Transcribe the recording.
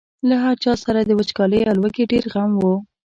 له هر چا سره د وچکالۍ او لوږې ډېر غم و.